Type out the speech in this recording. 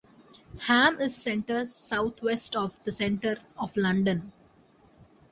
Ham is centred south-west of the centre of London.